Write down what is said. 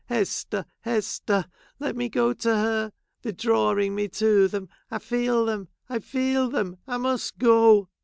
Hester ! Hester ! let me go to her ; they are drawing me to them. I feel them — I feel them. I must go